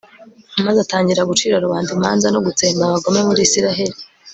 maze atangira gucira rubanda imanza no gutsemba abagome muri israheli